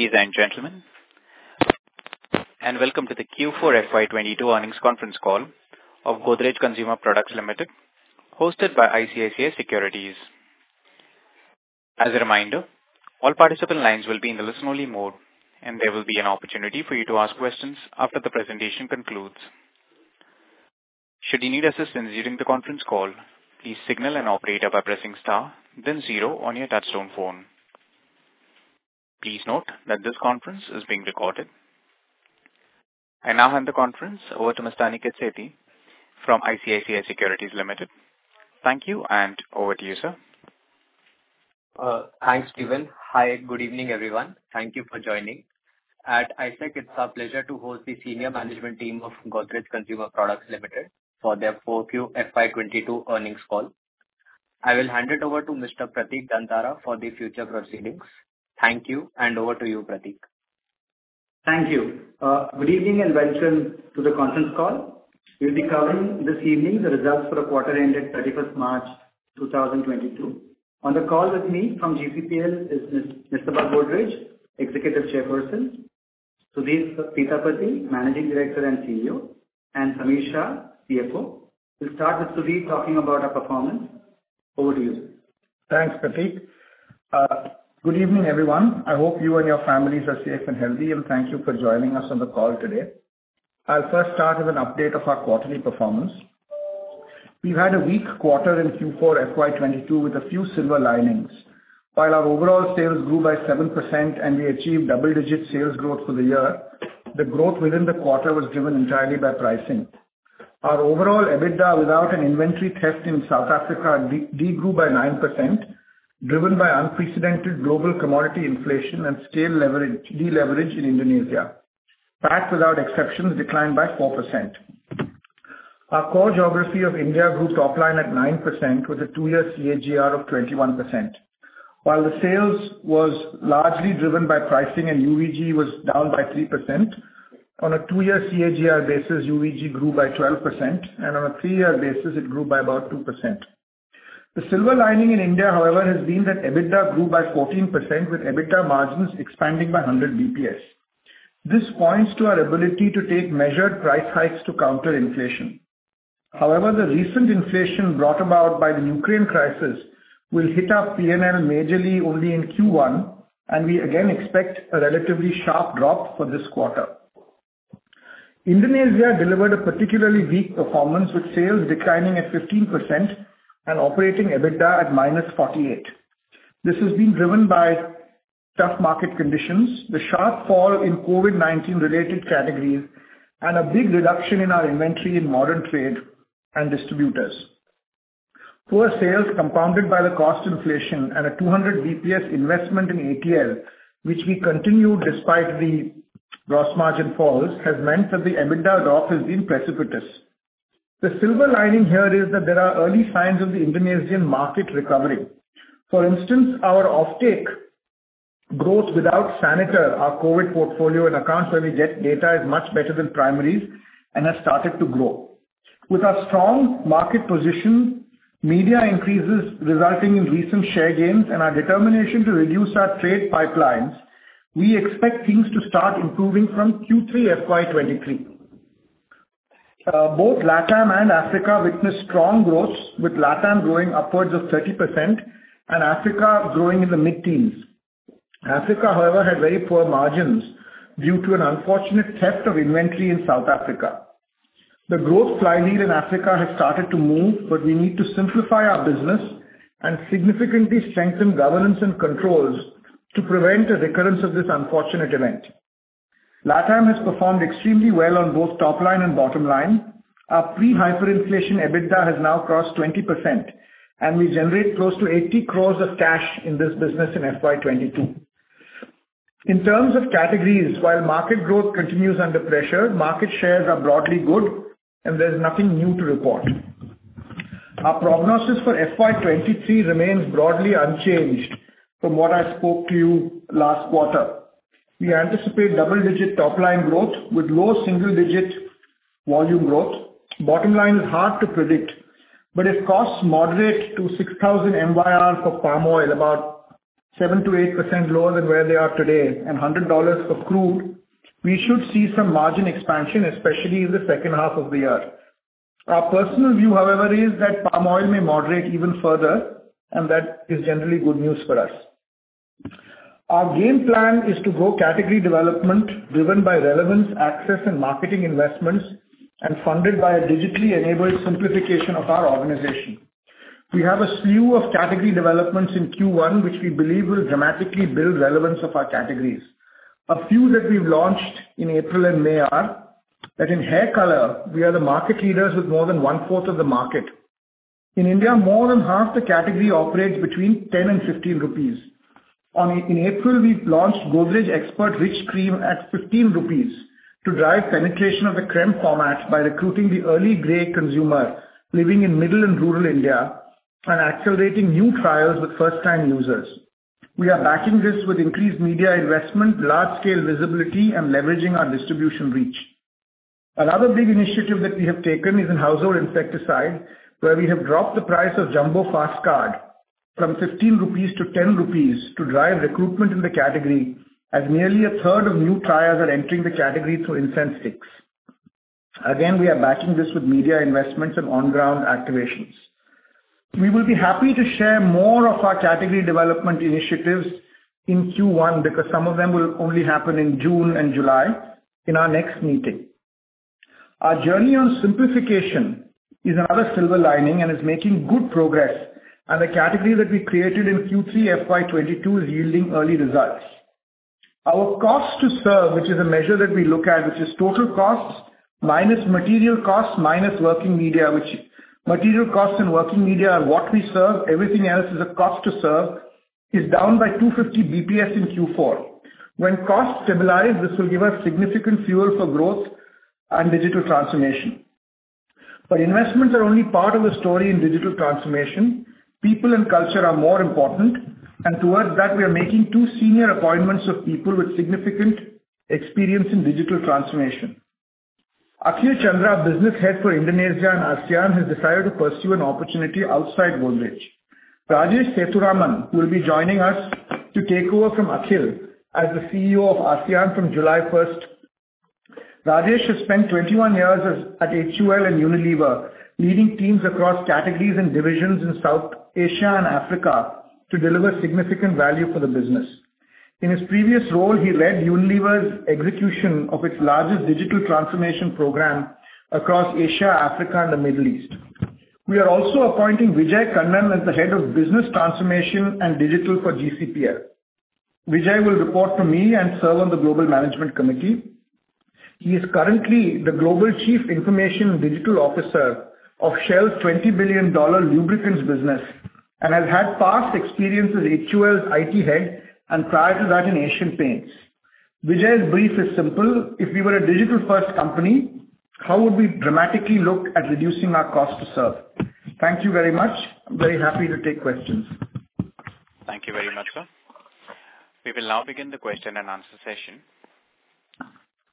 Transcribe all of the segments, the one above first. Ladies and gentlemen, welcome to the Q4 FY22 earnings conference call of Godrej Consumer Products Limited, hosted by ICICI Securities. As a reminder, all participant lines will be in the listen-only mode, and there will be an opportunity for you to ask questions after the presentation concludes. Should you need assistance during the conference call, please signal an operator by pressing star then zero on your touch-tone phone. Please note that this conference is being recorded. I now hand the conference over to Mr. Aniket Sethi from ICICI Securities Limited. Thank you and over to you, sir. Thanks, Steven. Hi, good evening, everyone. Thank you for joining. At ICICI, it's our pleasure to host the senior management team of Godrej Consumer Products Limited for their Q4 FY 2022 earnings call. I will hand it over to Mr. Pratik Dantara for the further proceedings. Thank you, and over to you, Pratik. Thank you. Good evening and welcome to the conference call. We'll be covering this evening the results for a quarter ending 31st March 2022. On the call with me from GCPL is Mr. Adi Godrej, Executive Chairperson, Sudhir Sitapati, Managing Director and CEO, and Sameer Shah, CFO. We'll start with Sudhi talking about our performance. Over to you. Thanks, Pratik. Good evening, everyone. I hope you and your families are safe and healthy, and thank you for joining us on the call today. I'll first start with an update of our quarterly performance. We've had a weak quarter in Q4 FY 2022 with a few silver linings. While our overall sales grew by 7% and we achieved double-digit sales growth for the year, the growth within the quarter was driven entirely by pricing. Our overall EBITDA without an inventory theft in South Africa de-grew by 9%, driven by unprecedented global commodity inflation and scale leverage deleverage in Indonesia. PAT, without exception, declined by 4%. Our core geography of India grew top line at 9% with a 2-year CAGR of 21%. While the sales was largely driven by pricing and UVG was down by 3%, on a two-year CAGR basis, UVG grew by 12%, and on a three-year basis, it grew by about 2%. The silver lining in India, however, has been that EBITDA grew by 14% with EBITDA margins expanding by 100 basis points. This points to our ability to take measured price hikes to counter inflation. However, the recent inflation brought about by the Ukraine crisis will hit our P&L majorly only in Q1, and we again expect a relatively sharp drop for this quarter. Indonesia delivered a particularly weak performance with sales declining at 15% and operating EBITDA at -48%. This has been driven by tough market conditions, the sharp fall in COVID-19 related categories, and a big reduction in our inventory in modern trade and distributors. Poor sales compounded by the cost inflation at a 200 BPS investment in ATL, which we continued despite the gross margin falls, has meant that the EBITDA drop has been precipitous. The silver lining here is that there are early signs of the Indonesian market recovering. For instance, our offtake growth without Saniter, our COVID portfolio and accounts where we get data is much better than primaries and has started to grow. With our strong market position, media increases resulting in recent share gains and our determination to reduce our trade pipelines, we expect things to start improving from Q3 FY 2023. Both LatAm and Africa witnessed strong growth, with LatAm growing upwards of 30% and Africa growing in the mid-teens. Africa, however, had very poor margins due to an unfortunate theft of inventory in South Africa. The growth flywheel in Africa has started to move, but we need to simplify our business and significantly strengthen governance and controls to prevent a recurrence of this unfortunate event. LatAm has performed extremely well on both top line and bottom line. Our pre-hyperinflation EBITDA has now crossed 20%, and we generate close to 80 crore of cash in this business in FY 2022. In terms of categories, while market growth continues under pressure, market shares are broadly good and there's nothing new to report. Our prognosis for FY 2023 remains broadly unchanged from what I spoke to you last quarter. We anticipate double-digit top-line growth with low single-digit volume growth. Bottom line is hard to predict, but if costs moderate to 6,000 MYR for palm oil, about 7%-8% lower than where they are today and $100 for crude, we should see some margin expansion, especially in the second half of the year. Our personal view, however, is that palm oil may moderate even further, and that is generally good news for us. Our game plan is to grow category development driven by relevance, access, and marketing investments, and funded by a digitally enabled simplification of our organization. We have a slew of category developments in Q1, which we believe will dramatically build relevance of our categories. A few that we've launched in April and May are that in hair color we are the market leaders with more than 1/4 of the market. In India, more than half the category operates between 10 and 15 rupees. In April, we've launched Godrej Expert Rich Crème at 15 rupees to drive penetration of the crème format by recruiting the early gray consumer living in middle and rural India and accelerating new trials with first-time users. We are backing this with increased media investment, large scale visibility, and leveraging our distribution reach. Another big initiative that we have taken is in household insecticide, where we have dropped the price of Jumbo Fast Card from 15 rupees to 10 rupees to drive recruitment in the category, as nearly a third of new triers are entering the category through incense sticks. Again, we are backing this with media investments and on-ground activations. We will be happy to share more of our category development initiatives in Q1, because some of them will only happen in June and July, in our next meeting. Our journey on simplification is another silver lining and is making good progress, and the category that we created in Q3 FY 2022 is yielding early results. Our cost to serve, which is a measure that we look at, which is total costs minus material costs minus working media. Material costs and working media are what we serve, everything else is a cost to serve, is down by 250 basis points in Q4. When costs stabilize, this will give us significant fuel for growth and digital transformation. Investments are only part of the story in digital transformation. People and culture are more important, and towards that, we are making two senior appointments of people with significant experience in digital transformation. Akhil Chandra, Business Head for Indonesia and ASEAN, has decided to pursue an opportunity outside Godrej. Rajesh Sethuraman will be joining us to take over from Akhil as the CEO of ASEAN from July 1. Rajesh has spent 21 years at HUL and Unilever, leading teams across categories and divisions in South Asia and Africa to deliver significant value for the business. In his previous role, he led Unilever's execution of its largest digital transformation program across Asia, Africa, and the Middle East. We are also appointing Vijay Kannan as the Head of Business Transformation and Digital for GCPL. Vijay will report to me and serve on the Global Management Committee. He is currently the Global Chief Information Digital Officer of Shell's $20 billion lubricants business and has had past experience as HUL's IT Head and prior to that in Asian Paints. Vijay's brief is simple: If we were a digital-first company, how would we dramatically look at reducing our cost to serve? Thank you very much. I'm very happy to take questions. Thank you very much, sir. We will now begin the question-and-answer session.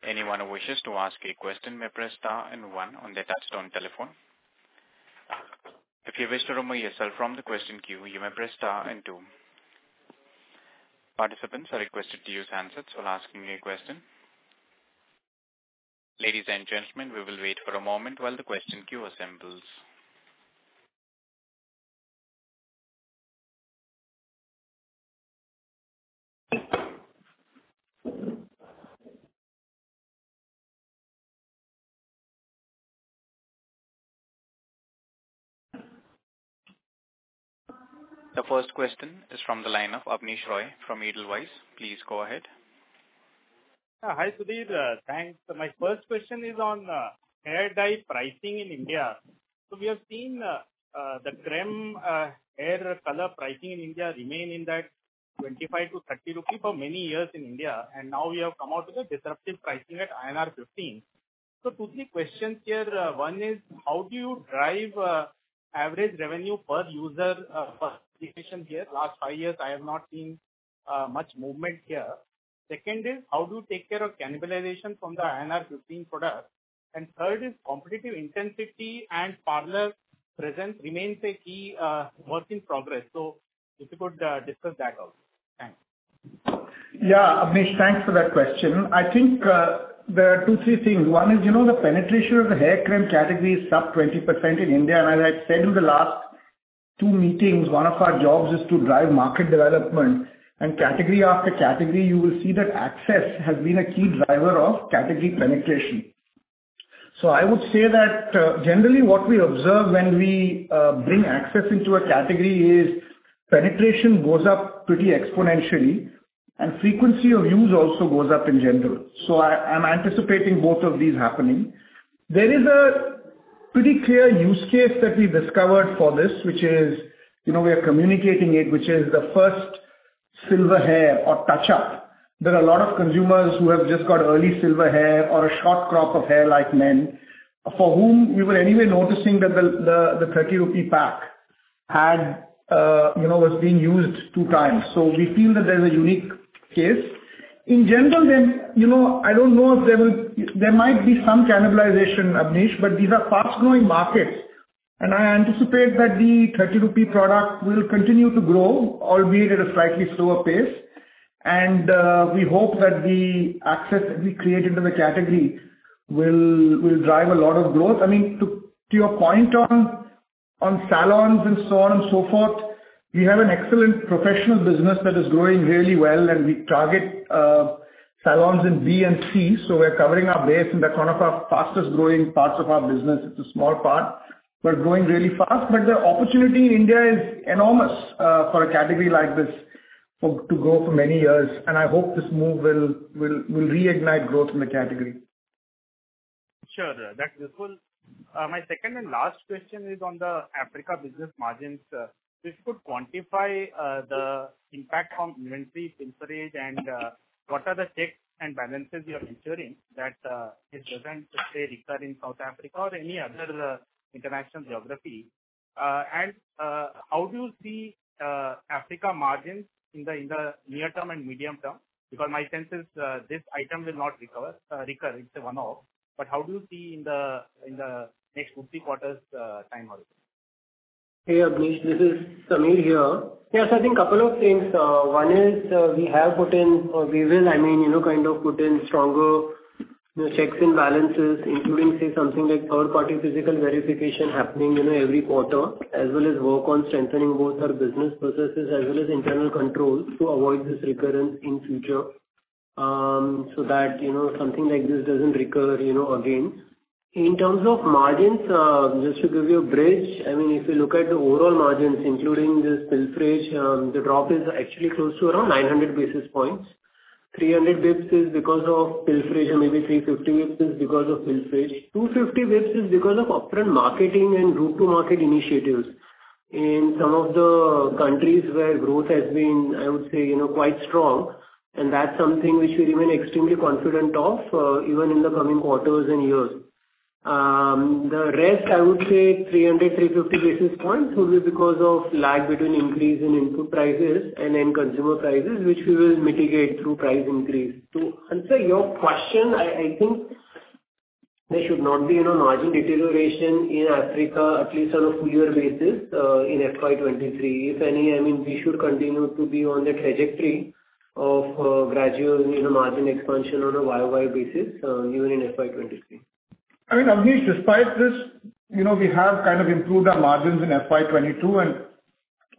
Anyone who wishes to ask a question may press star and one on their touchtone telephone. If you wish to remove yourself from the question queue, you may press star and two. Participants are requested to use handsets while asking a question. Ladies and gentlemen, we will wait for a moment while the question queue assembles. The first question is from the line of Abneesh Roy from Edelweiss. Please go ahead. Hi, Sudhir. Thanks. My first question is on hair dye pricing in India. We have seen the Crème hair color pricing in India remain in that 25-30 rupee for many years in India, and now we have come out with a disruptive pricing at INR 15. Two, three questions here. One is: How do you drive average revenue per user per location here? Last five years, I have not seen much movement here. Second is: How do you take care of cannibalization from the INR 15 product? And third is: Competitive intensity and parlor presence remains a key work in progress. If you could discuss that also. Thanks. Yeah. Abneesh, thanks for that question. I think there are two, three things. One is, you know, the penetration of the hair cream category is sub 20% in India, and as I said in the last two meetings, one of our jobs is to drive market development. Category after category, you will see that access has been a key driver of category penetration. I would say that, generally what we observe when we bring access into a category is penetration goes up pretty exponentially, and frequency of use also goes up in general. I'm anticipating both of these happening. There is a pretty clear use case that we discovered for this, which is, you know, we are communicating it, which is the first silver hair or touch-up. There are a lot of consumers who have just got early silver hair or a short crop of hair, like men, for whom we were anyway noticing that the thirty rupee pack had, you know, was being used two times. We feel that there's a unique case. In general then, you know, I don't know if there will be some cannibalization, Abneesh, but these are fast-growing markets, and I anticipate that the thirty rupee product will continue to grow, albeit at a slightly slower pace. We hope that the access that we create into the category will drive a lot of growth. I mean, to your point on salons and so on and so forth, we have an excellent professional business that is growing really well, and we target salons in B and C, so we are covering our base in the kind of our fastest growing parts of our business. It's a small part, but growing really fast. The opportunity in India is enormous for a category like this to grow for many years. I hope this move will reignite growth in the category. Sure. That's useful. My second and last question is on the Africa business margins. If you could quantify the impact from inventory shrinkage and what are the checks and balances you are ensuring that this doesn't, say, recur in South Africa or any other international geography? And how do you see Africa margins in the near term and medium term? Because my sense is this item will not recur. It's a one-off. How do you see in the next 50 quarters time horizon? Hey, Abneesh Roy, this is Sameer here. Yes, I think a couple of things. One is, we have put in or we will, I mean, you know, kind of put in stronger, you know, checks and balances, including, say, something like third-party physical verification happening, you know, every quarter, as well as work on strengthening both our business processes as well as internal controls to avoid this recurrence in future. So that, you know, something like this doesn't recur, you know, again. In terms of margins, just to give you a bridge, I mean, if you look at the overall margins, including this pilferage, the drop is actually close to around 900 basis points. 300 basis points is because of pilferage, and maybe 350 basis points is because of pilferage. 250 basis points is because of upfront marketing and go-to-market initiatives in some of the countries where growth has been, I would say, you know, quite strong, and that's something we should remain extremely confident of, even in the coming quarters and years. The rest, I would say 300-350 basis points will be because of lag between increase in input prices and end consumer prices, which we will mitigate through price increase. To answer your question, I think there should not be, you know, margin deterioration in Africa, at least on a full year basis, in FY 2023. If any, I mean, we should continue to be on the trajectory of gradual, you know, margin expansion on a YoY basis, even in FY 2023. I mean, Abneesh, despite this, you know, we have kind of improved our margins in FY 2022, and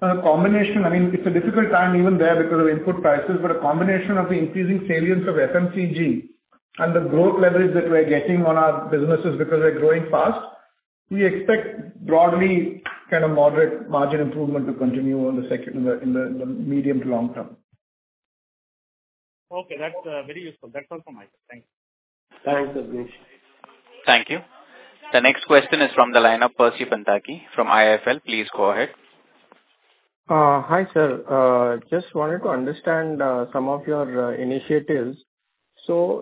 a combination. I mean, it's a difficult time even there because of input prices, but a combination of the increasing salience of FMCG and the growth leverage that we're getting on our businesses because we're growing fast, we expect broadly kind of moderate margin improvement to continue in the medium to long term. Okay, that's very useful. That's all from my side. Thank you. Thanks, Abneesh. Thank you. The next question is from the line of Percy Panthaki from IIFL. Please go ahead. Hi, sir. Just wanted to understand some of your initiatives.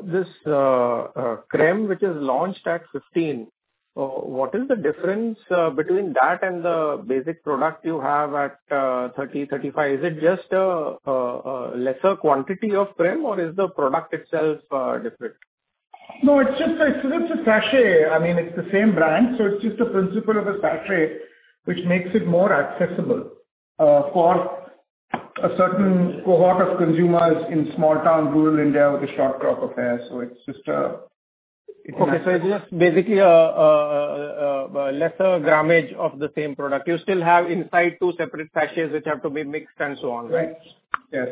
This crème which is launched at 15, what is the difference between that and the basic product you have at 30, 35? Is it just a lesser quantity of crème or is the product itself different? No, it's just a sachet. I mean, it's the same brand, so it's just the principle of a sachet which makes it more accessible for a certain cohort of consumers in small town rural India with a short crop of hair. It's just, It's just basically a lesser grammage of the same product. You still have inside two separate sachets which have to be mixed and so on, right? Yes.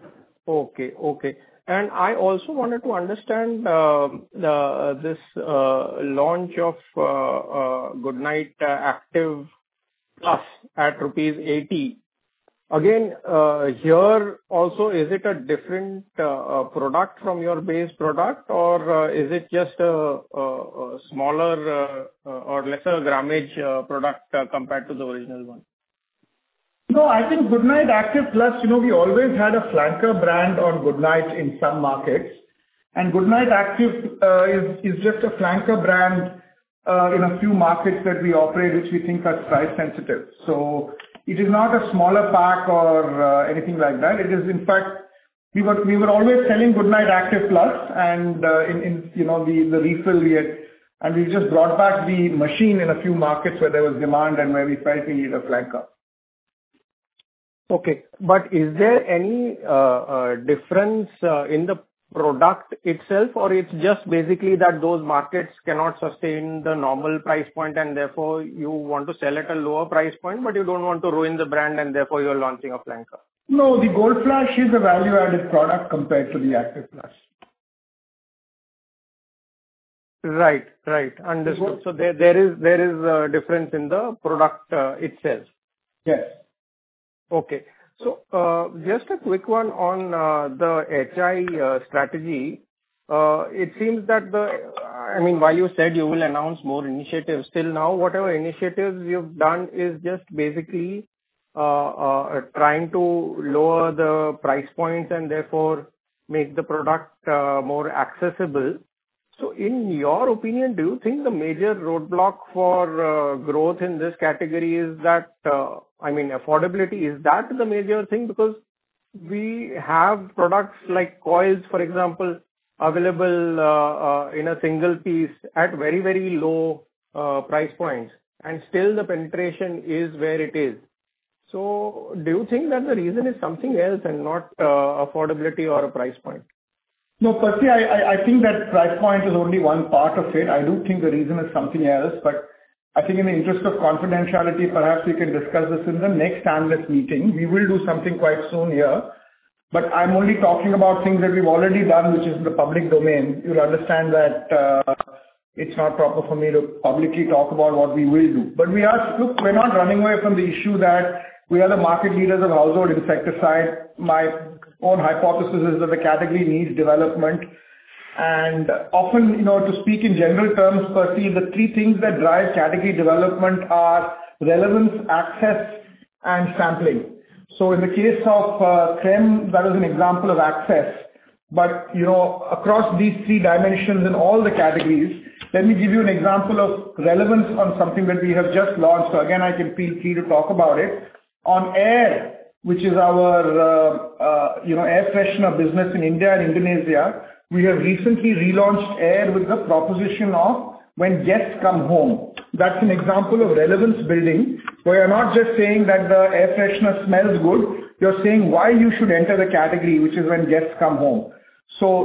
Yes. Okay. Okay. I also wanted to understand this launch of Goodknight Power Activ+ at rupees 80. Again, here also, is it a different product from your base product, or is it just a smaller or lesser grammage product compared to the original one? No, I think Goodknight Power Activ+, you know, we always had a flanker brand on Goodknight in some markets. Goodknight Active is just a flanker brand in a few markets that we operate, which we think are price sensitive. It is not a smaller pack or anything like that. It is in fact. We were always selling Goodknight Power Activ+ and, you know, the refill we had, and we just brought back the machine in a few markets where there was demand and where we felt we needed a flanker. Okay. But is there any difference in the product itself or it's just basically that those markets cannot sustain the normal price point and therefore you want to sell at a lower price point, but you don't want to ruin the brand and therefore you're launching a flanker? No, the Gold Flash is a value-added product compared to the Active Plus. Right. Understood. No- There is a difference in the product itself. Yes. Okay. Just a quick one on the HI strategy. It seems that the, I mean, while you said you will announce more initiatives, till now, whatever initiatives you have done is just basically trying to lower the price points and therefore make the product more accessible. In your opinion, do you think the major roadblock for growth in this category is that, I mean, affordability, is that the major thing? Because we have products like coils, for example, available in a single piece at very, very low price points, and still the penetration is where it is. Do you think that the reason is something else and not affordability or a price point? No, Percy, I think that price point is only one part of it. I do think the reason is something else. I think in the interest of confidentiality, perhaps we can discuss this in the next analyst meeting. We will do something quite soon here, but I'm only talking about things that we've already done, which is in the public domain. You'll understand that, it's not proper for me to publicly talk about what we will do. We are. Look, we're not running away from the issue that we are the market leaders of household insecticide. My own hypothesis is that the category needs development. Often, you know, to speak in general terms, Percy, the three things that drive category development are relevance, access, and sampling. In the case of crème, that is an example of access. You know, across these three dimensions in all the categories, let me give you an example of relevance on something that we have just launched. I can be free to talk about it. On air, which is our, you know, air freshener business in India and Indonesia, we have recently relaunched air with the proposition of when guests come home. That's an example of relevance building, where you're not just saying that the air freshener smells good. You are saying why you should enter the category, which is when guests come home.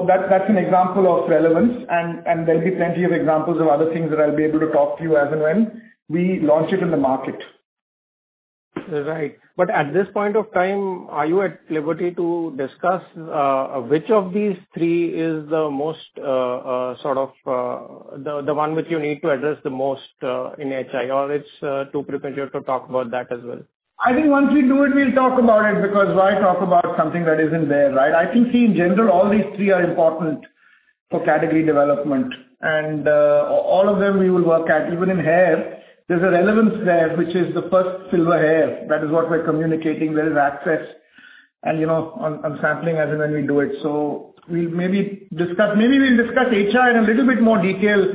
That's an example of relevance. There'll be plenty of examples of other things that I'll be able to talk to you as and when we launch it in the market. Right. At this point of time, are you at liberty to discuss, which of these three is the most, sort of, the one which you need to address the most, in HI or it's too premature to talk about that as well? I think once we do it, we'll talk about it, because why talk about something that isn't there, right? I think, in general, all these three are important for category development, and all of them we will work at. Even in hair, there's a relevance there, which is the first silver hair. That is what we are communicating. There is access and, you know, on sampling as and when we do it. We'll maybe discuss HI in a little bit more detail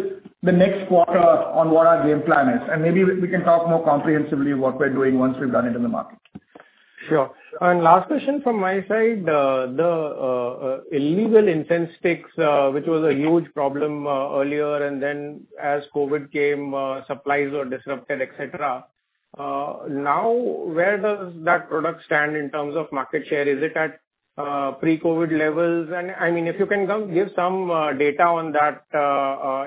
the next quarter on what our game plan is, and maybe we can talk more comprehensively what we're doing once we've done it in the market. Sure. Last question from my side. The illegal incense sticks, which was a huge problem, earlier, and then as COVID came, supplies were disrupted, et cetera. Now where does that product stand in terms of market share? Is it at pre-COVID levels? I mean, if you can give some data on that,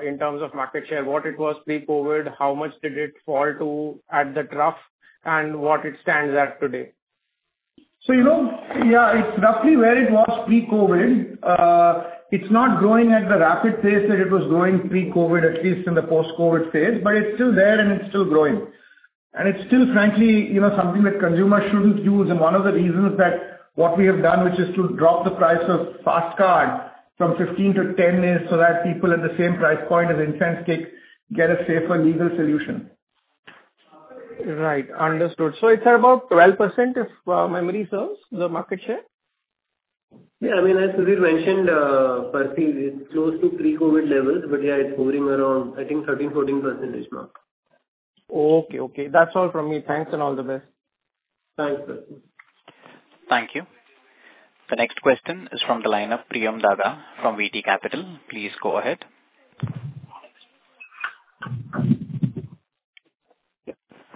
in terms of market share, what it was pre-COVID, how much did it fall to at the trough, and what it stands at today. You know, yeah, it's roughly where it was pre-COVID. It's not growing at the rapid pace that it was growing pre-COVID, at least in the post-COVID phase, but it's still there and it's still growing. It's still, frankly, you know, something that consumers shouldn't use. One of the reasons that what we have done, which is to drop the price of Fast Card from 15 to 10 is so that people at the same price point as incense stick get a safer legal solution. Right. Understood. It's at about 12%, if memory serves, the market share. I mean, as Sudhir mentioned, Percy, it's close to pre-COVID levels, but yeah, it's hovering around, I think, 13%-14% mark. Okay. That's all from me. Thanks, and all the best. Thanks, Percy. Thank you. The next question is from the line of Priyam Dada from VT Capital. Please go ahead. Hi.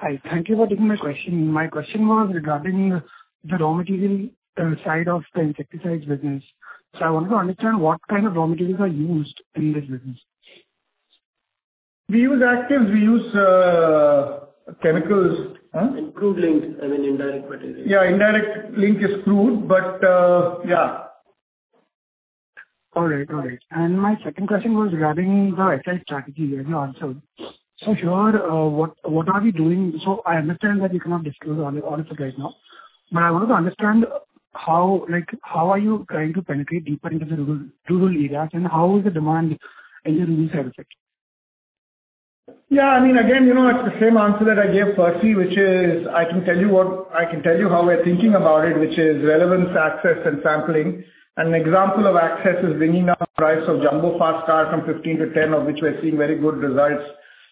Thank you for taking my question. My question was regarding the raw material side of the insecticides business. I want to understand what kind of raw materials are used in this business. We use actives. We use chemicals. Huh? Improved links. I mean, indirect materials. Yeah, indirect link is crude, but yeah. All right. My second question was regarding the HI strategy you already answered. Here, what are we doing? I understand that you cannot disclose all of it right now, but I want to understand how, like, how are you trying to penetrate deeper into the rural areas, and how is the demand in the rural side of it? Yeah, I mean, again, you know, it's the same answer that I gave Percy, which is, I can tell you how we're thinking about it, which is relevance, access and sampling. An example of access is bringing down the price of Jumbo Fast Card from 15 to 10, of which we're seeing very good results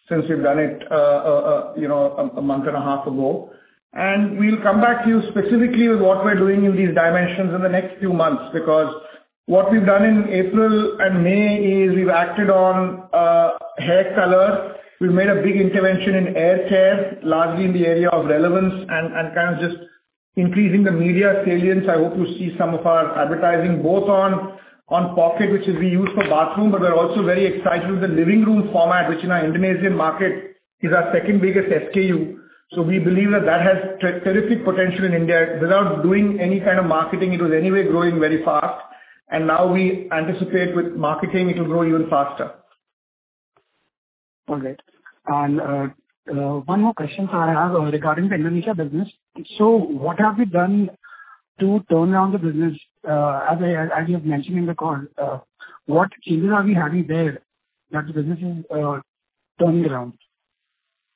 since we've done it, you know, a month and a half ago. We'll come back to you specifically on what we're doing in these dimensions in the next few months. What we've done in April and May is we've acted on hair color. We have made a big intervention in air care, largely in the area of relevance and kind of just increasing the media salience. I hope you see some of our advertising both on Aer Pocket, which is what we use for bathroom, but we're also very excited with the living room format, which in our Indonesian market is our second-biggest SKU. We believe that has terrific potential in India. Without doing any kind of marketing, it was anyway growing very fast. Now we anticipate with marketing it will grow even faster. All right. One more question I have regarding the Indonesia business. What have you done to turn around the business? As you've mentioned in the call, what changes are we having there that the business is turning around?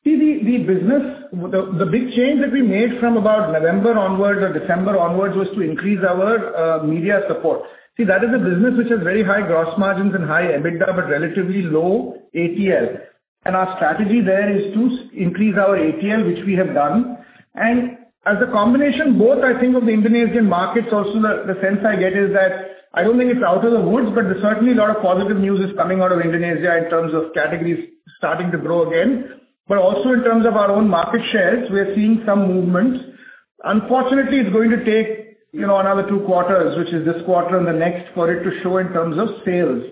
See the business, the big change that we made from about November onwards or December onwards was to increase our media support. See, that is a business which has very high gross margins and high EBITDA, but relatively low ATL. Our strategy there is to increase our ATL, which we have done. As a combination, both I think of the Indonesian markets also, the sense I get is that I don't think it's out of the woods, but there's certainly a lot of positive news is coming out of Indonesia in terms of categories starting to grow again, but also in terms of our own market shares, we are seeing some movements. Unfortunately, it's going to take, you know, another two quarters, which is this quarter and the next for it to show in terms of sales.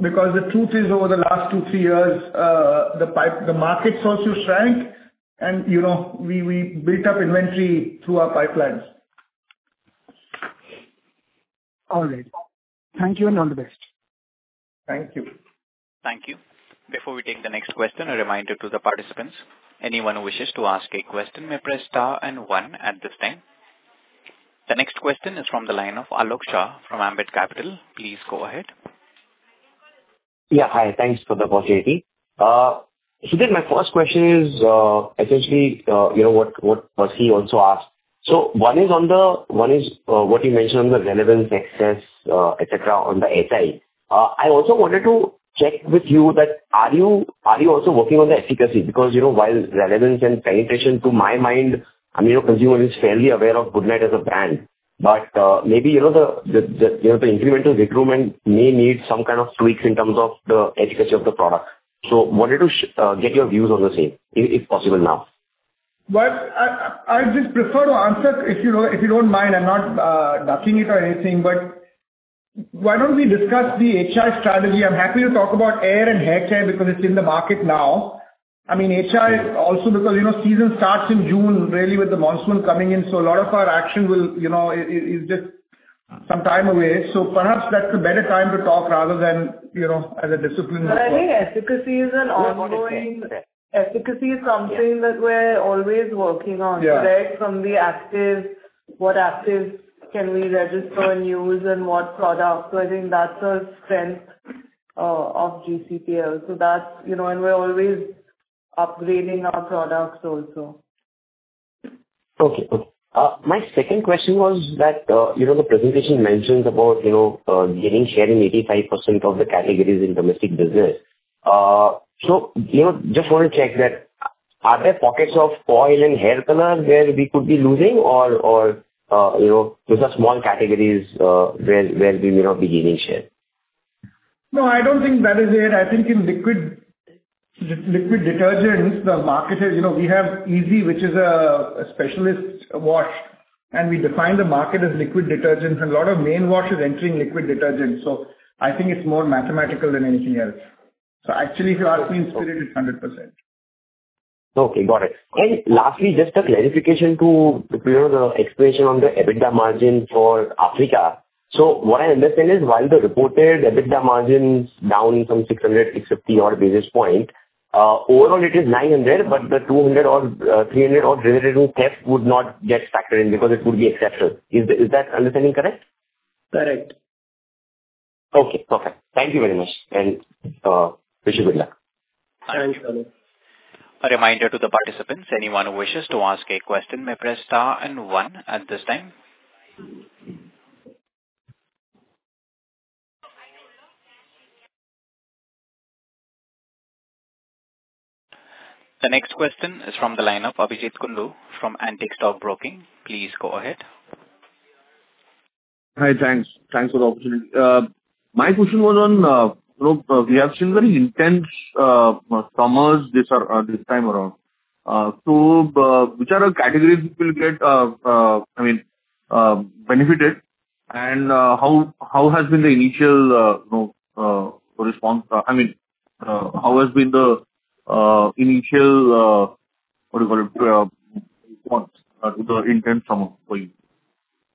Because the truth is, over the last two, three years, the market also shrank and, you know, we built up inventory through our pipelines. All right. Thank you, and all the best. Thank you. Thank you. Before we take the next question, a reminder to the participants. Anyone who wishes to ask a question may press star and one at this time. The next question is from the line of Alok Shah from Ambit Capital. Please go ahead. Yeah. Hi. Thanks for the opportunity. Sudhir, my first question is, essentially, you know, what Percy also asked. One is on what you mentioned, the relevance, access, et cetera, on the HI. I also wanted to check with you that are you also working on the efficacy? Because, you know, while relevance and penetration to my mind, I mean, your consumer is fairly aware of Goodknight as a brand, but, maybe, you know, the incremental recruitment may need some kind of tweaks in terms of the efficacy of the product. Wanted to get your views on the same if possible now. Well, I just prefer to answer, if you don't mind, I'm not ducking it or anything, but why don't we discuss the HI strategy? I'm happy to talk about aer and haircare because it's in the market now. I mean, HI also because, you know, season starts in June really with the monsoon coming in, so a lot of our action will, you know, is just some time away. Perhaps that's a better time to talk rather than, you know, as a discipline. Efficacy is something that we're always working on. Yeah. Right from the actives, what actives can we register and use and what products. I think that's a strength of GCPL. That's, you know. We're always upgrading our products also. Okay. My second question was that, you know, the presentation mentions about, you know, gaining share in 85% of the categories in domestic business. So, you know, just wanna check that are there pockets of oil and hair color where we could be losing or, you know, those are small categories, where we may not be gaining share? No, I don't think that is it. I think in liquid detergents, the market is, you know, we have Ezee, which is a specialist wash, and we define the market as liquid detergents and a lot of main wash is entering liquid detergents. I think it's more mathematical than anything else. Actually, if you ask me, in spirit, it's 100%. Okay, got it. Lastly, just a clarification to, you know, the explanation on the EBITDA margin for Africa. What I understand is, while the reported EBITDA margin's down some 600-650 odd basis points, overall it is 900, but the 200 crore or 300 crore revenue kept would not get factored in because it would be exceptional. Is that understanding correct? Correct. Okay, perfect. Thank you very much, and wish you good luck. Thanks, Alok. A reminder to the participants, anyone who wishes to ask a question may press star and one at this time. The next question is from the lineup, Abhijeet Kundu from Antique Stock Broking. Please go ahead. Hi. Thanks for the opportunity. My question was on, you know, we have seen very intense summers this time around. Which are the categories which will get benefited and how has been the initial response? I mean, how has been the initial response with the intense summer for you?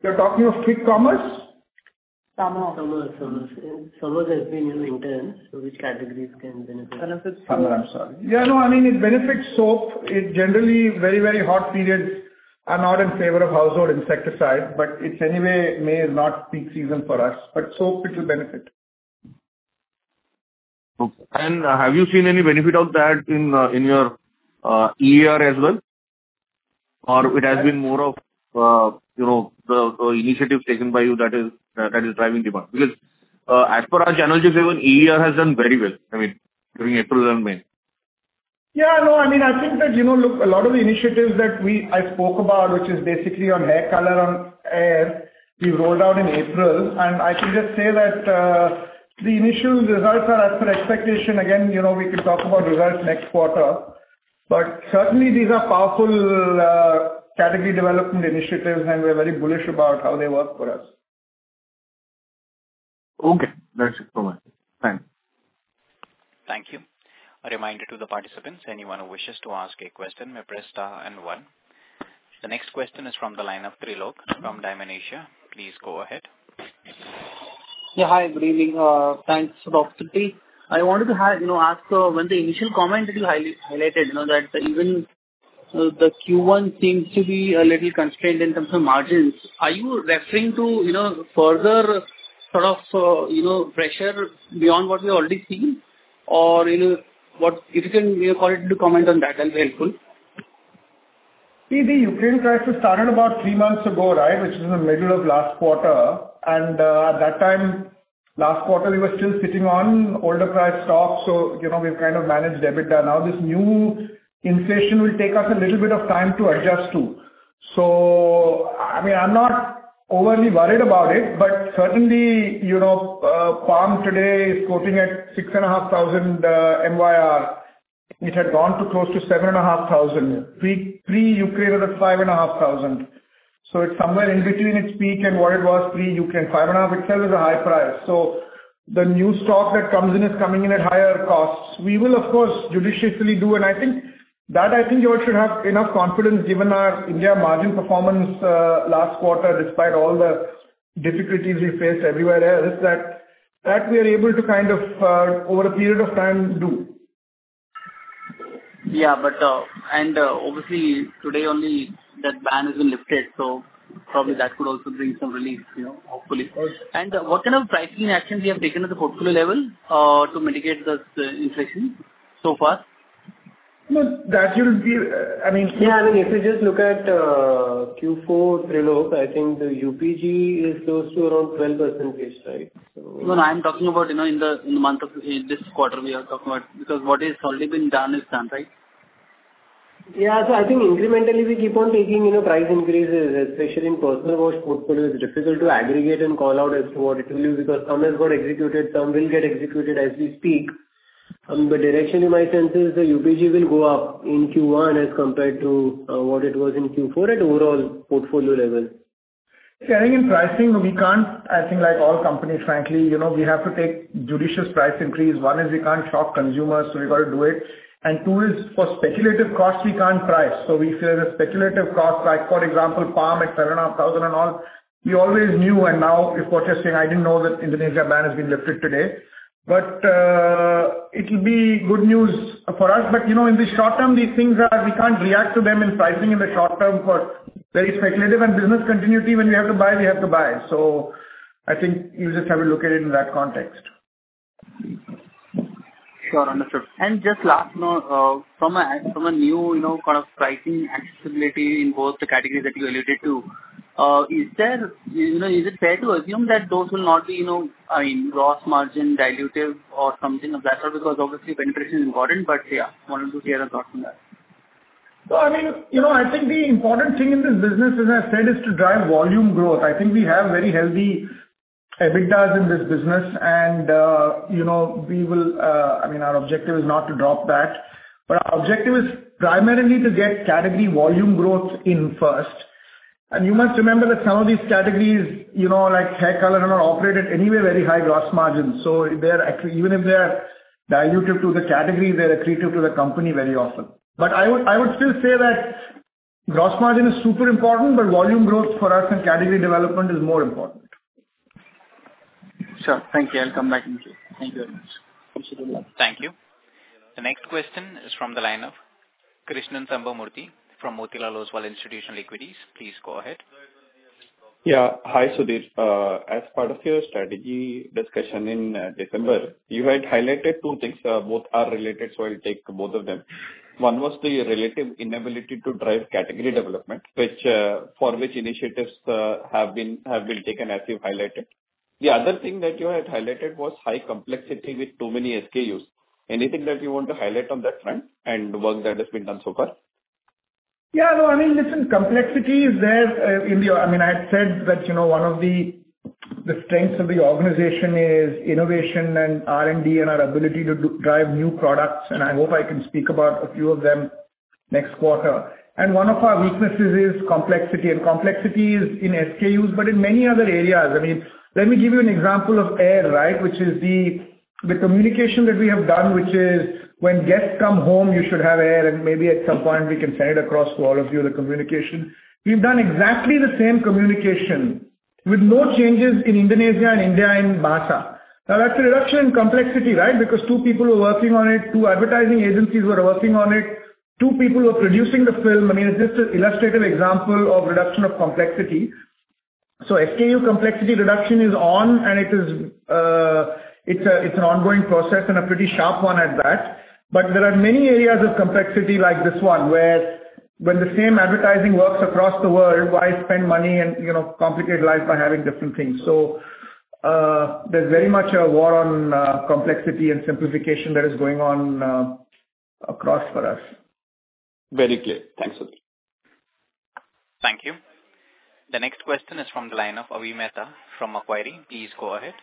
You are talking of peak summers? Summer has been really intense, so which categories can benefit? Yeah. No, I mean, it benefits soap. It generally very, very hot periods are not in favor of household insecticide, but it's anyway, May is not peak season for us, but soap it will benefit. Okay. Have you seen any benefit of that in your aer as well? Or it has been more of, you know, the initiative taken by you that is driving demand. Because, as per our channel check even aer has done very well. I mean, during April and May. Yeah. No, I mean, I think that, you know, look, a lot of the initiatives that we, I spoke about, which is basically on hair color, on aer, we've rolled out in April. I can just say that, the initial results are as per expectation. Again, you know, we can talk about results next quarter, but certainly these are powerful, category development initiatives, and we're very bullish about how they work for us. Okay. That's it for me. Thanks. Thank you. A reminder to the participants, anyone who wishes to ask a question may press star and one. The next question is from the line of Trilok from DIAM Asia. Please go ahead. Yeah. Hi, good evening. Thanks for the opportunity. I wanted to, you know, ask when the initial comment that you highlighted, you know, that even the Q1 seems to be a little constrained in terms of margins. Are you referring to, you know, further sort of, you know, pressure beyond what we have already seen? Or, you know, what. If you can, you know, comment on that'll be helpful. The Ukraine crisis started about three months ago, right? Which is in the middle of last quarter. At that time, last quarter, we were still sitting on older price stocks, so, you know, we have kind of managed EBITDA. Now, this new inflation will take us a little bit of time to adjust to. I mean, I'm not overly worried about it, but certainly, you know, palm today is quoting at 6,500 MYR. It had gone to close to 7,500. Pre-Ukraine it was 5,500. It's somewhere in between its peak and where it was pre-Ukraine. 5,500 itself is a high price. The new stock that comes in is coming in at higher costs. We will of course judiciously do, and I think you all should have enough confidence given our India margin performance last quarter, despite all the difficulties we faced everywhere else, that we are able to kind of over a period of time do. Obviously today only that ban has been lifted, so probably that could also bring some relief, you know, hopefully. Of course. What kind of pricing actions you have taken at the portfolio level, to mitigate this inflation so far? No, that will be, I mean. Yeah, I mean, if you just look at Q4, Trilok, I think the UPG is close to around 12%, right? So- No, I'm talking about, you know, in this quarter we are talking about, because what is already been done is done, right? Yeah. I think incrementally we keep on taking, you know, price increases, especially in personal wash portfolios. It's difficult to aggregate and call out as to what it will be because some has got executed, some will get executed as we speak. Direction in my sense is the UPG will go up in Q1 as compared to what it was in Q4 at overall portfolio level. Yeah, I think like all companies, frankly, you know, we have to take judicious price increase. One is we can't shock consumers, so we've got to do it. Two is for speculative costs we can't price. If there is a speculative cost, like for example palm at 7,500 and all, we always knew and now before testing, I didn't know that Indonesia ban has been lifted today. It'll be good news for us. But you know, in the short term, these things are, we can't react to them in pricing in the short term for very speculative and business continuity. When we have to buy, we have to buy. I think you just have a look at it in that context. Sure. Understood. Just last note, from a new, you know, kind of pricing accessibility in both the categories that you alluded to, is there, you know, is it fair to assume that those will not be, you know, I mean, gross margin dilutive or something of that sort? Because obviously penetration is important, but yeah. Wanted to hear a thought from that. I mean, you know, I think the important thing in this business, as I said, is to drive volume growth. I think we have very healthy EBITDAs in this business and, you know, we will, I mean, our objective is not to drop that. Our objective is primarily to get category volume growth in first. You must remember that some of these categories, you know, like hair color and all operate at anyway very high gross margins. They're actually, even if they're dilutive to the category, they are accretive to the company very often. I would still say that gross margin is super important, but volume growth for us and category development is more important. Sure. Thank you. I'll come back in queue. Thank you very much. Appreciate your time. Thank you. The next question is from the line of Krishnan Sambamoorthy from Motilal Oswal Institutional Equities. Please go ahead. Yeah. Hi, Sudhir. As part of your strategy discussion in December, you had highlighted two things. Both are related, so I'll take both of them. One was the relative inability to drive category development, which, for which initiatives, have been taken as you have highlighted. The other thing that you had highlighted was high complexity with too many SKUs. Anything that you want to highlight on that front and work that has been done so far? Yeah. No, I mean, listen, complexity is there, I mean, I had said that, you know, one of the strengths of the organization is innovation and R&D and our ability to drive new products, and I hope I can speak about a few of them next quarter. One of our weaknesses is complexity, and complexity is in SKUs, but in many other areas. I mean, let me give you an example of air, right? Which is the communication that we have done, which is when guests come home, you should have air. Maybe at some point we can send it across to all of you, the communication. We have done exactly the same communication with no changes in Indonesia and India in Stella. Now, that's a reduction in complexity, right? Because two people were working on it, two advertising agencies were working on it, two people were producing the film. I mean, it's just an illustrative example of reduction of complexity. SKU complexity reduction is on, and it is, it's an ongoing process and a pretty sharp one at that. There are many areas of complexity like this one, where when the same advertising works across the world, why spend money and, you know, complicate life by having different things. There's very much a war on complexity and simplification that is going on across for us. Very clear. Thanks, Sudhir. Thank you. The next question is from the line of Avi Mehta from Macquarie. Please go ahead.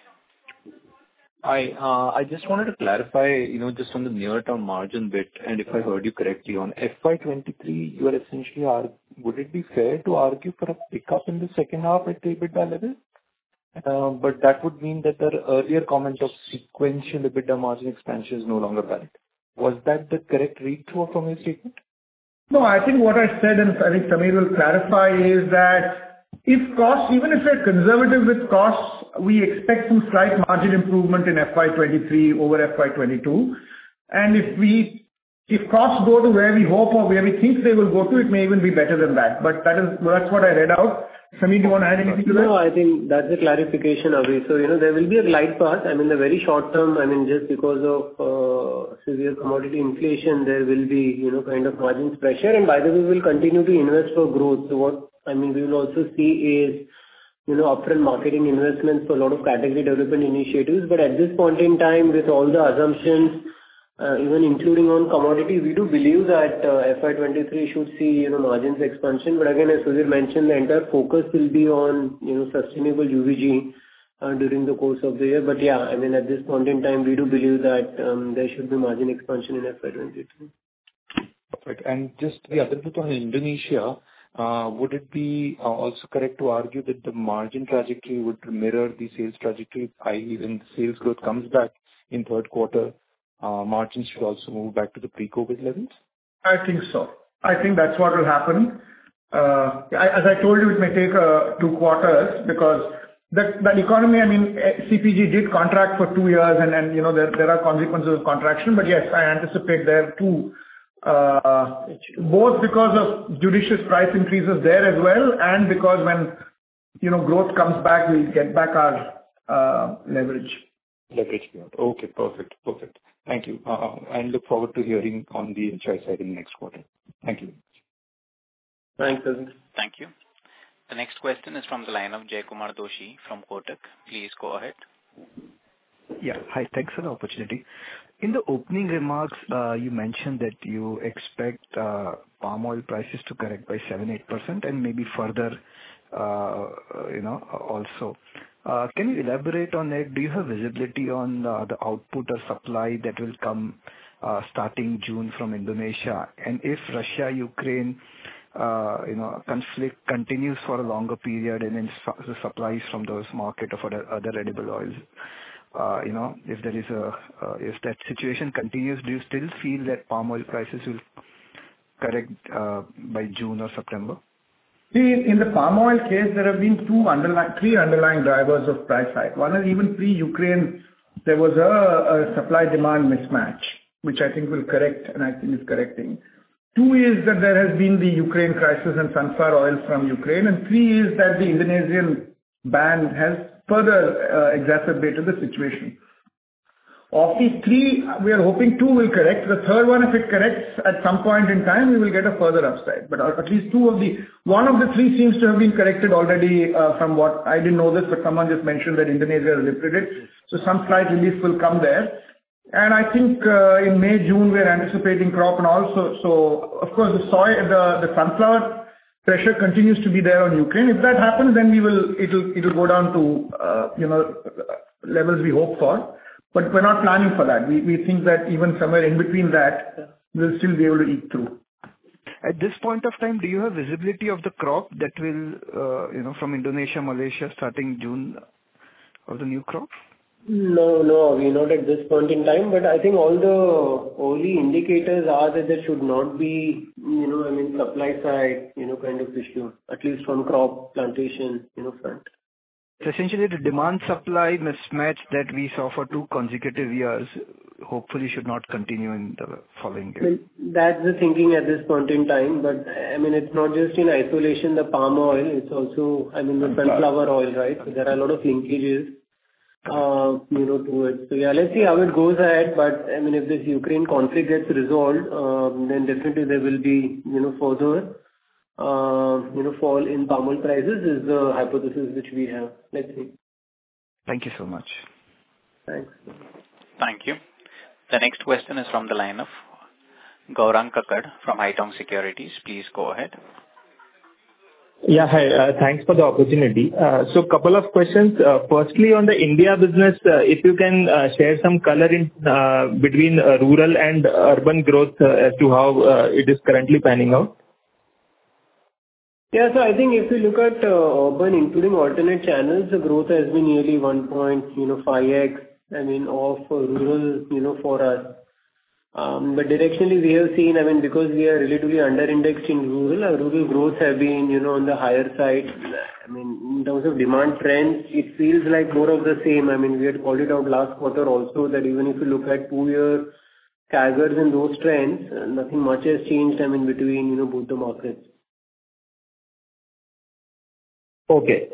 I just wanted to clarify, you know, just on the near term margin bit, and if I heard you correctly, on FY 2023, you are essentially. Would it be fair to argue for a pickup in the second half at EBIT level? That would mean that the earlier comment of sequential EBITDA margin expansion is no longer valid. Was that the correct read through from your statement? No, I think what I said, and I think Sameer will clarify, is that if costs, even if we're conservative with costs, we expect some slight margin improvement in FY 2023 over FY 2022. If costs go to where we hope or where we think they will go to, it may even be better than that. That is, that's what I read out. Sameer, do you wanna add anything to that? No, I think that's the clarification, Avi. You know, there will be a light path. I mean, the very short term, just because of severe commodity inflation, there will be you know, kind of margins pressure. By the way, we'll continue to invest for growth. What we will also see is you know, upfront marketing investments for a lot of category development initiatives. At this point in time, with all the assumptions, even including on commodity, we do believe that FY 2023 should see you know, margins expansion. Again, as Sudhir mentioned, the entire focus will be on you know, sustainable UVG during the course of the year. Yeah, I mean, at this point in time, we do believe that there should be margin expansion in FY 2023. Perfect. Just the other bit on Indonesia, would it be also correct to argue that the margin trajectory would mirror the sales trajectory, i.e. when sales growth comes back in Q3, margins should also move back to the pre-COVID levels? I think so. I think that's what will happen. As I told you, it may take Q2 because the economy, I mean, CPG, did contract for two years and then, you know, there are consequences of contraction. Yes, I anticipate there too, both because of judicious price increases there as well and because when, you know, growth comes back, we'll get back our leverage. Leverage. Okay. Perfect. Thank you. I look forward to hearing on the HI side in next quarter. Thank you. Thanks. Thank you. The next question is from the line of Jaykumar Doshi from Kotak. Please go ahead. Yeah. Hi. Thanks for the opportunity. In the opening remarks, you mentioned that you expect palm oil prices to correct by 7%-8% and maybe further, you know, also. Can you elaborate on that? Do you have visibility on the output or supply that will come starting June from Indonesia? If Russia-Ukraine conflict continues for a longer period and then the supplies from those markets of other edible oils, you know, if that situation continues, do you still feel that palm oil prices will correct by June or September? See, in the palm oil case, there have been three underlying drivers of price hike. One is even pre-Ukraine, there was a supply-demand mismatch, which I think will correct and I think is correcting. Two is that there has been the Ukraine crisis and sunflower oil from Ukraine. Three is that the Indonesian ban has further exacerbated the situation. Of these three, we are hoping two will correct. The third one, if it corrects at some point in time, we will get a further upside. But at least two of the three. One of the three seems to have been corrected already, somewhat. I didn't know this, but someone just mentioned that Indonesia has lifted it, so some slight relief will come there. I think, in May, June, we are anticipating crop and all. Of course the soy, the sunflower pressure continues to be there on Ukraine. If that happens, then it'll go down to levels we hope for. We're not planning for that. We think that even somewhere in between that we'll still be able to eat through. At this point of time, do you have visibility of the crop that will, you know, from Indonesia, Malaysia starting June of the new crop? No, no, we are not at this point in time, but I think all the early indicators are that there should not be, you know, I mean, supply side, you know, kind of issue, at least from crop plantation, you know, front. Essentially the demand supply mismatch that we saw for two consecutive years hopefully should not continue in the following year. Well, that's the thinking at this point in time. I mean, it's not just in isolation, the palm oil. It's also, I mean, the sunflower oil, right? There are a lot of linkages, you know, to it. Yeah, let's see how it goes ahead. I mean, if this Ukraine conflict gets resolved, then definitely there will be, you know, further, you know, fall in palm oil prices is the hypothesis which we have. Let's see. Thank you so much. Thanks. Thank you. The next question is from the line of Gaurang Kakkad from Haitong Securities. Please go ahead. Yeah. Hi, thanks for the opportunity. Couple of questions. Firstly, on the India business, if you can share some color in between rural and urban growth as to how it is currently panning out. Yeah. I think if you look at urban including alternate channels, the growth has been nearly 1.5x, you know, of rural, you know, for us. Directionally we have seen, I mean, because we are relatively under-indexed in rural, our rural growth have been, you know, on the higher side. I mean, in terms of demand trends, it feels like more of the same. I mean, we had called it out last quarter also that even if you look at two-year CAGRs and those trends, nothing much has changed, I mean, between, you know, both the markets. Okay.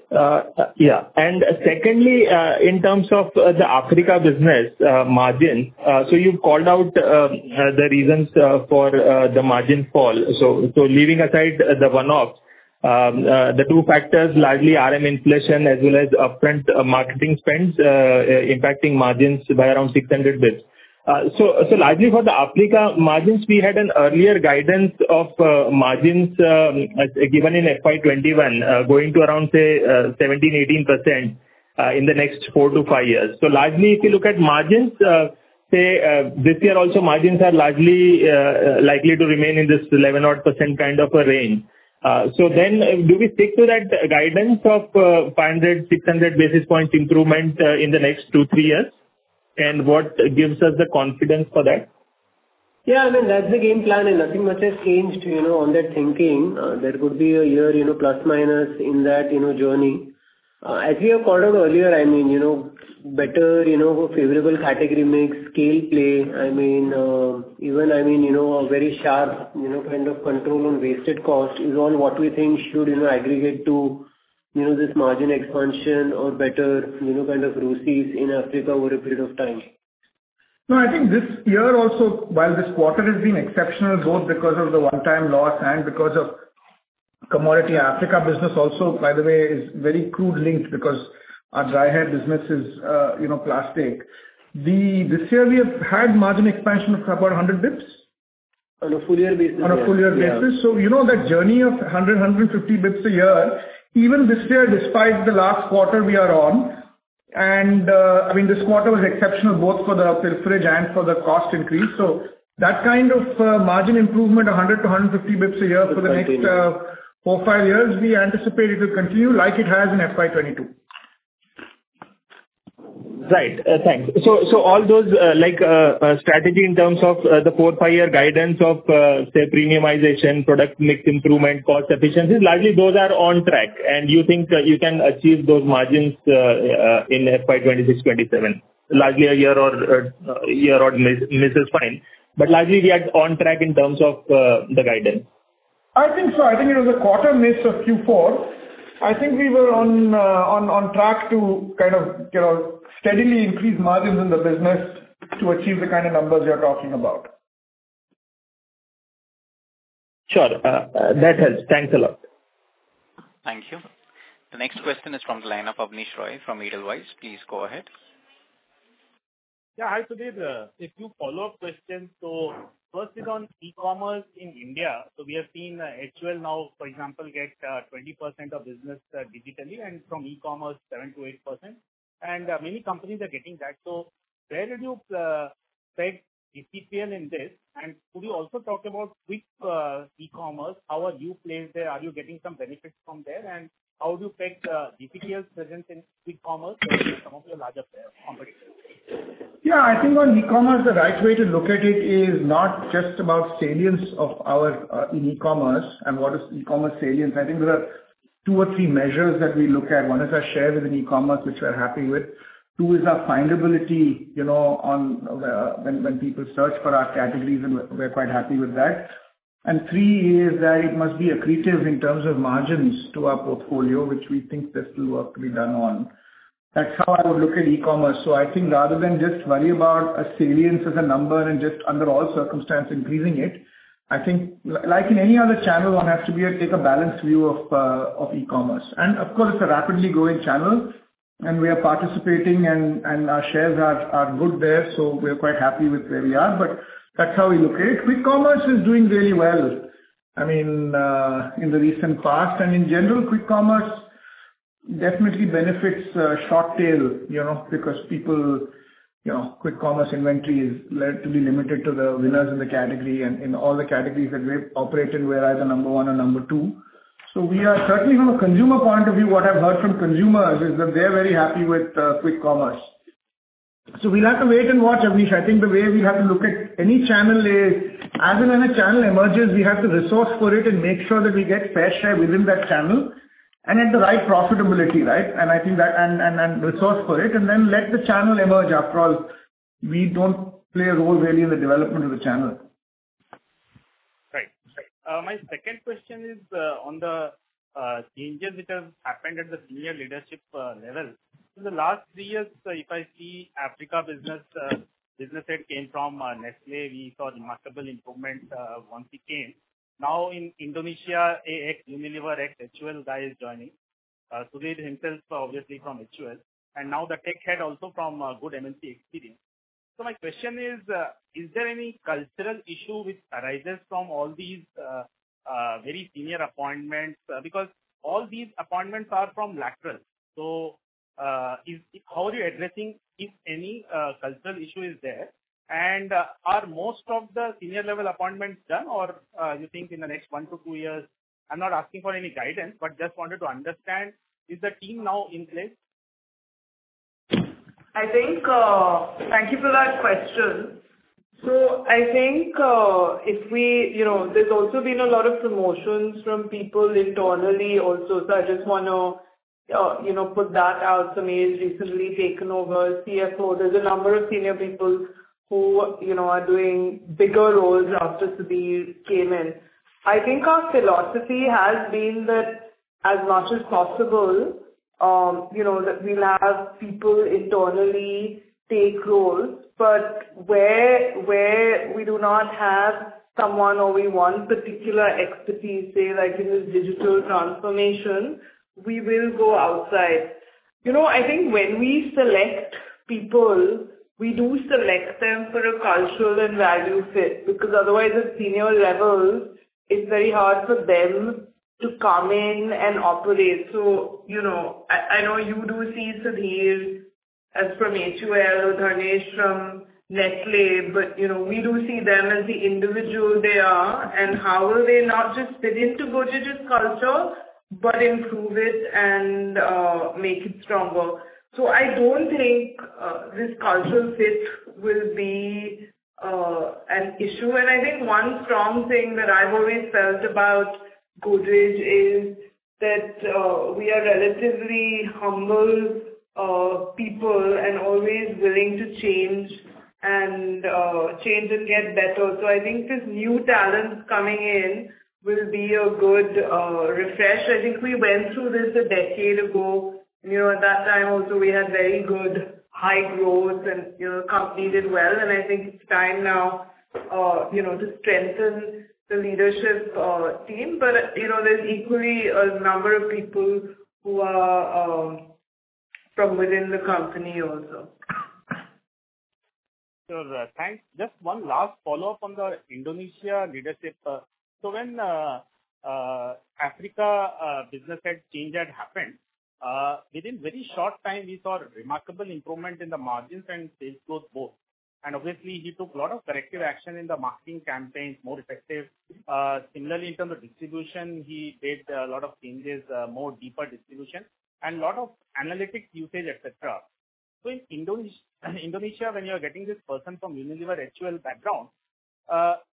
Yeah. Secondly, in terms of the Africa business margin, you've called out the reasons for the margin fall. Leaving aside the one-off, the two factors, largely RM inflation as well as upfront marketing spends, impacting margins by around 600 basis points. Largely for the Africa margins, we had an earlier guidance of margins given in FY 2021, going to around, say, 17%-18% in the next four to five years. Largely, if you look at margins, this year also margins are largely likely to remain in this 11 odd percent kind of a range. Then do we stick to that guidance of 500-600 basis points improvement in the next two, three years? What gives us the confidence for that? Yeah, I mean, that's the game plan, and nothing much has changed, you know, on that thinking. There could be a year, you know, plus minus in that, you know, journey. As we have called out earlier, I mean, you know, better, you know, favorable category mix, scale play. I mean, even, I mean, you know, a very sharp, you know, kind of control on wasted cost is all what we think should, you know, aggregate to, you know, this margin expansion or better, you know, kind of ROE in Africa over a period of time. No, I think this year also, while this quarter has been exceptional, both because of the one-time loss and because of commodity, Africa business also, by the way, is very crude-linked because our dry hair business is plastic. This year we have had margin expansion of about 100 basis points. On a full year basis. On a full year basis. Yeah. You know that journey of 100-150 basis points a year, even this year despite the last quarter we are on, and, I mean, this quarter was exceptional both for the pilferage and for the cost increase. That kind of margin improvement, 100-150 basis points a year for the next 4-5 years, we anticipate it will continue like it has in FY 2022. Right. Thanks. All those, like, strategy in terms of the four- to five-year guidance of, say, premiumization, product mix improvement, cost efficiency, largely those are on track. You think you can achieve those margins in FY 2026-2027. Largely a year or so miss is fine, but largely we are on track in terms of the guidance. I think so. I think it was a quarter miss of Q4. I think we were on track to kind of, you know, steadily increase margins in the business to achieve the kind of numbers you're talking about. Sure. That helps. Thanks a lot. Thank you. The next question is from the line of Abneesh Roy from Edelweiss. Please go ahead. Yeah, hi, Sudhir. A few follow-up questions. First is on e-commerce in India. We have seen HUL now, for example, get 20% of business digitally, and from e-commerce 7%-8%. Many companies are getting that. Where did you peg GCPL in this? Could you also talk about which e-commerce, how are you placed there? Are you getting some benefits from there? How would you peg GCPL's presence in quick commerce with some of the larger players, competitors? Yeah, I think on e-commerce, the right way to look at it is not just about salience of our in e-commerce and what is e-commerce salience. I think there are two or three measures that we look at. One is our share within e-commerce, which we're happy with. Two is our findability, you know, when people search for our categories, and we're quite happy with that. Three is that it must be accretive in terms of margins to our portfolio, which we think there's still work to be done on. That's how I would look at e-commerce. I think rather than just worry about a salience as a number and just under all circumstances increasing it, like in any other channel, one has to take a balanced view of e-commerce. Of course, it's a rapidly growing channel and we are participating and our shares are good there, so we're quite happy with where we are. That's how we look at it. Quick commerce is doing really well. I mean, in the recent past and in general, quick commerce definitely benefits short tail, you know, because people, you know, quick commerce inventory is led to be limited to the winners in the category and in all the categories that we operate in, we're either number one or number two. We are certainly from a consumer point of view, what I've heard from consumers is that they're very happy with quick commerce. We'll have to wait and watch, Abneesh. I think the way we have to look at any channel is as and when a channel emerges, we have to resource for it and make sure that we get fair share within that channel and at the right profitability, right? I think that resource for it and then let the channel emerge. After all, we don't play a role really in the development of the channel. Right. My second question is on the changes which has happened at the senior leadership level. In the last 3 years, if I see Africa business head came from Nestlé. We saw remarkable improvement once he came. Now in Indonesia, a ex-Unilever, ex-HUL guy is joining. Sudhir himself obviously from HUL. And now the tech head also from a good MNC experience. My question is there any cultural issue which arises from all these very senior appointments? Because all these appointments are from lateral. How are you addressing if any cultural issue is there? Are most of the senior level appointments done or you think in the next 1-2 years? I'm not asking for any guidance, but just wanted to understand, is the team now in place? I think. Thank you for that question. I think, if we, you know, there's also been a lot of promotions from people internally also. I just wanna, you know, put that out. Sameer has recently taken over CFO. There's a number of senior people who, you know, are doing bigger roles after Sudhir came in. I think our philosophy has been that as much as possible, you know, that we'll have people internally take roles, but where we do not have someone or we want particular expertise, say like in this digital transformation, we will go outside. You know, I think when we select people, we do select them for a cultural and value fit, because otherwise at senior levels it's very hard for them to come in and operate. You know, I know you do see Sudhir Sitapati from HUL, Dharnesh Gordhon from Nestlé, but you know, we do see them as the individuals they are and how they will not just fit into Godrej's culture, but improve it and make it stronger. I don't think this cultural fit will be an issue. I think one strong thing that I've always felt about Godrej is that we are relatively humble people and always willing to change and get better. I think this new talent coming in will be a good refresh. I think we went through this a decade ago. You know, at that time also we had very good high growth and you know, company did well and I think it's time now to strengthen the leadership team. You know, there's equally a number of people who are from within the company also. Sure. Thanks. Just one last follow-up on the Indonesia leadership. So when Africa business head change had happened, within very short time we saw remarkable improvement in the margins and sales growth both. Obviously he took a lot of corrective action in the marketing campaigns, more effective. Similarly in terms of distribution, he made a lot of changes, more deeper distribution and lot of analytics usage, et cetera. In Indonesia, when you are getting this person from Unilever HUL background,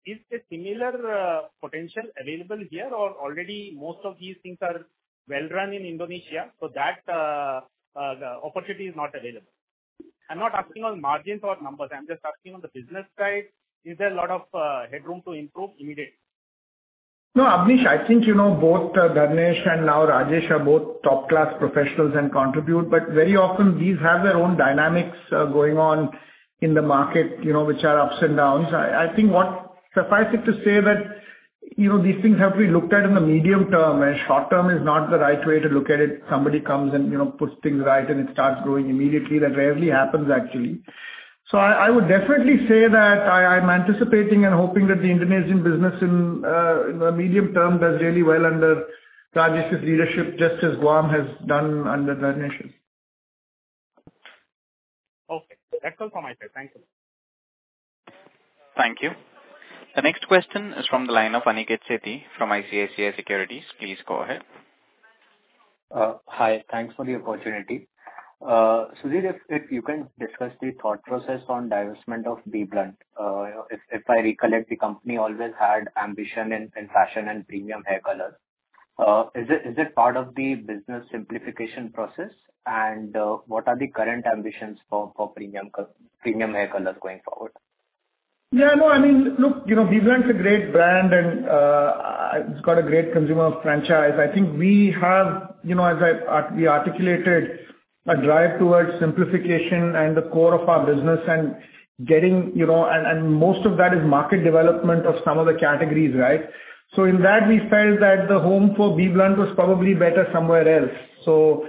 is the similar potential available here or already most of these things are well run in Indonesia, so that, the opportunity is not available? I'm not asking on margins or numbers. I'm just asking on the business side, is there a lot of headroom to improve immediately? No, Abneesh, I think, you know, both Dharnesh and now Rajesh are both top-class professionals and contribute, but very often these have their own dynamics going on in the market, you know, which are ups and downs. I think Suffice it to say that, you know, these things have to be looked at in the medium term, and short term is not the right way to look at it. Somebody comes and, you know, puts things right and it starts growing immediately. That rarely happens actually. I would definitely say that I'm anticipating and hoping that the Indonesian business in the medium term does really well under Rajesh's leadership, just as GAUM has done under Dharnesh's. Okay. That's all from my side. Thank you. Thank you. The next question is from the line of Aniket Sethi from ICICI Securities. Please go ahead. Hi. Thanks for the opportunity. Sudhir, if you can discuss the thought process on divestment of BBLUNT. If I recollect, the company always had ambition in fashion and premium hair colors. Is it part of the business simplification process? What are the current ambitions for premium hair colors going forward? Yeah, no, I mean, look, you know, BBlunt's a great brand and it's got a great consumer franchise. I think we have, you know, as we articulated a drive towards simplification and the core of our business and getting. Most of that is market development of some of the categories, right? In that, we felt that the home for BBlunt was probably better somewhere else.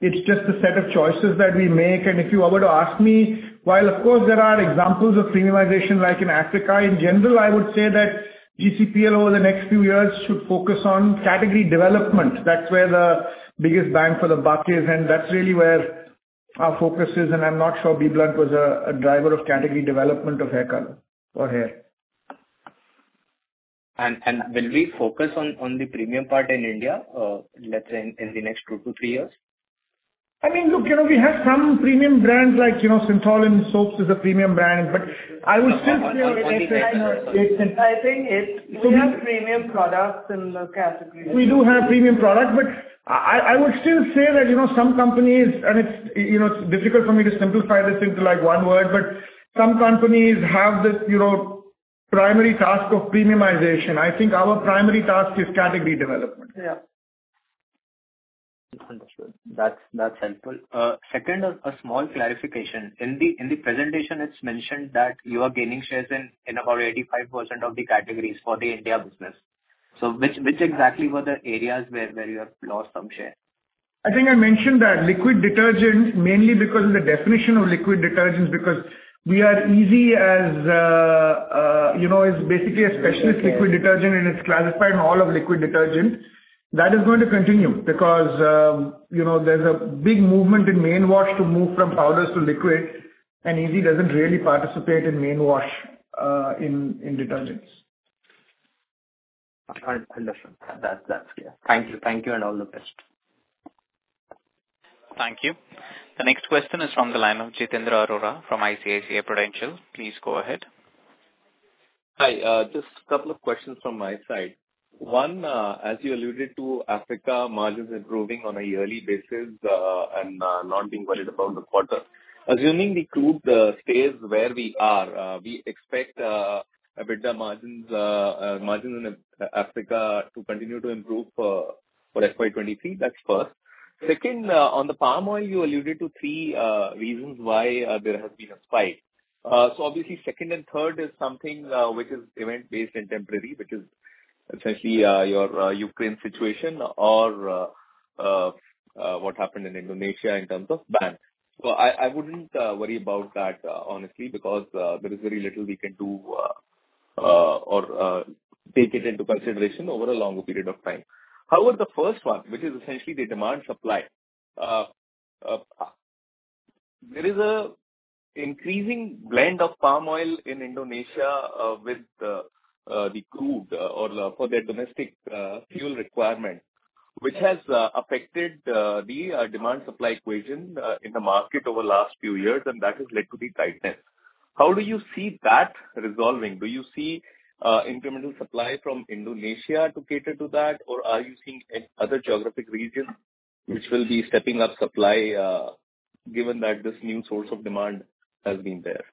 It's just a set of choices that we make. If you were to ask me, while of course there are examples of premiumization like in Africa, in general, I would say that GCPL over the next few years should focus on category development. That's where the biggest bang for the buck is, and that's really where our focus is. I'm not sure BBlunt was a driver of category development of hair color or hair. Will we focus on the premium part in India, let's say in the next 2-3 years? I mean, look, you know, we have some premium brands like, you know, Cinthol in soaps is a premium brand, but I would still say. Okay. I think it's we have premium products in the category. We do have premium products, but I would still say that, you know, some companies. It's, you know, it's difficult for me to simplify this into, like, one word, but some companies have this, you know, primary task of premiumization. I think our primary task is category development. Yeah. Understood. That's helpful. Second, a small clarification. In the presentation, it's mentioned that you are gaining shares in about 85% of the categories for the India business. So which exactly were the areas where you have lost some share? I think I mentioned that liquid detergent, mainly because in the definition of liquid detergent, because we are Ezee as, you know, it's basically a specialist liquid detergent and it's classified in all of liquid detergent. That is going to continue because, you know, there's a big movement in main wash to move from powders to liquids, and Ezee doesn't really participate in main wash, in detergents. Understood. That's clear. Thank you. Thank you and all the best. Thank you. The next question is from the line of Jitendra Arora from ICICI Prudential. Please go ahead. Hi. Just a couple of questions from my side. One, as you alluded to Africa margins improving on a yearly basis, and not being worried about the quarter. Assuming the crude stays where we are, we expect EBITDA margins in Africa to continue to improve for FY 2023. That's first. Second, on the palm oil, you alluded to 3 reasons why there has been a spike. Obviously second and third is something which is event-based and temporary, which is essentially your Ukraine situation or what happened in Indonesia in terms of ban. I wouldn't worry about that honestly because there is very little we can do or take it into consideration over a longer period of time. However, the first one, which is essentially the demand supply, there is an increasing blend of palm oil in Indonesia, with the crude oil for their domestic fuel requirement, which has affected the demand supply equation in the market over the last few years, and that has led to the tightness. How do you see that resolving? Do you see incremental supply from Indonesia to cater to that? Or are you seeing any other geographic region which will be stepping up supply, given that this new source of demand has been there?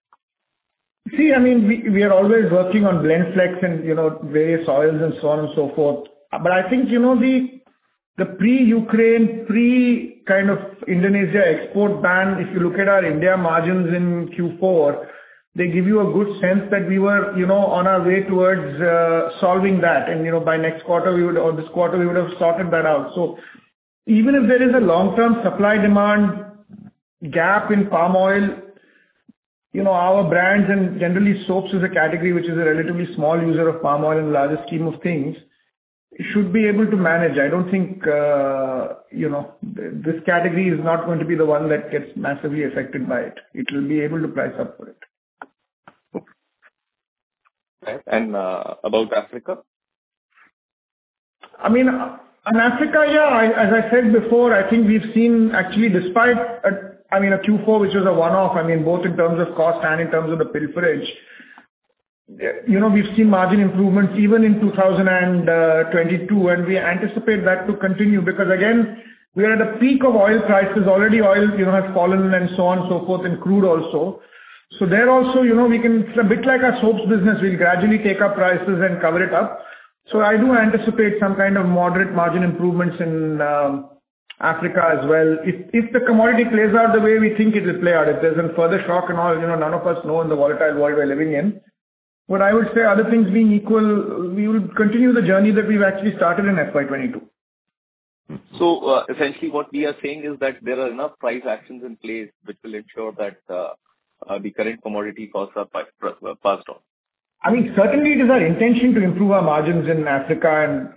I mean, we are always working on blend flex and, you know, various oils and so on and so forth. But I think, you know, the pre-Ukraine, pre kind of Indonesia export ban, if you look at our India margins in Q4, they give you a good sense that we were, you know, on our way towards solving that. And, you know, by next quarter we would or this quarter we would have sorted that out. So even if there is a long-term supply demand gap in palm oil, you know, our brands and generally soaps is a category which is a relatively small user of palm oil in the larger scheme of things. Should be able to manage. I don't think, you know, this category is not going to be the one that gets massively affected by it. It will be able to price up for it. Right. About Africa? I mean, in Africa, yeah, as I said before, I think we've seen actually despite, I mean, a Q4, which was a one-off, I mean, both in terms of cost and in terms of the pilferage. You know, we've seen margin improvements even in 2022, and we anticipate that to continue because, again, we are at a peak of oil prices. Already oil, you know, has fallen and so on and so forth, and crude also. So there also, you know, we can. It's a bit like our soaps business. We'll gradually take up prices and cover it up. So I do anticipate some kind of moderate margin improvements in Africa as well. If the commodity plays out the way we think it will play out, if there's any further shock in oil, you know, none of us know in the volatile world we're living in. What I would say, other things being equal, we will continue the journey that we've actually started in FY 2022. Essentially what we are saying is that there are enough price actions in place which will ensure that the current commodity costs are passed on. I mean, certainly it is our intention to improve our margins in Africa, and,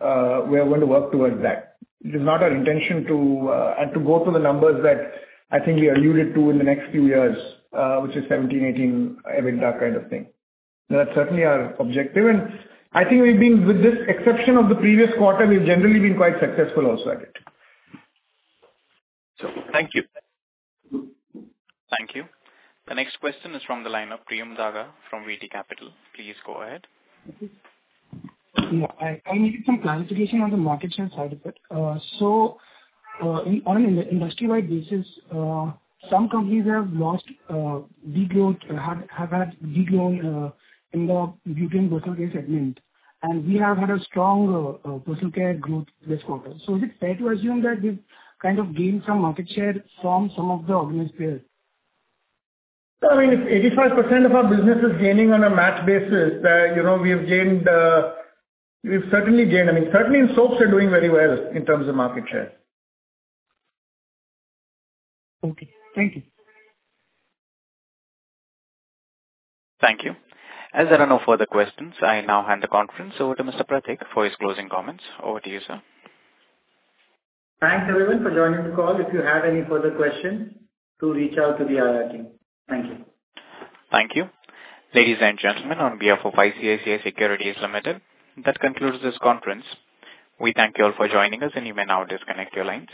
we are going to work towards that. It is not our intention to go to the numbers that I think we alluded to in the next few years, which is 17, 18 EBITDA kind of thing. That's certainly our objective. I think we've been, with this exception of the previous quarter, we've generally been quite successful also at it. Thank you. Thank you. The next question is from the line of Priyam Daga from VT Capital. Please go ahead. Yeah. I needed some clarification on the market share side of it. On an industry-wide basis, some companies have had degrown in the personal care segment. We have had a strong personal care growth this quarter. Is it fair to assume that we've kind of gained some market share from some of the organized players? I mean, if 85% of our business is gaining on a match basis, then, you know, we have gained, we've certainly gained. I mean, certainly soaps are doing very well in terms of market share. Okay. Thank you. Thank you. As there are no further questions, I now hand the conference over to Mr. Pratik for his closing comments. Over to you, sir. Thanks, everyone, for joining the call. If you have any further questions, do reach out to the IR team. Thank you. Thank you. Ladies and gentlemen, on behalf of ICICI Securities Limited, that concludes this conference. We thank you all for joining us, and you may now disconnect your lines.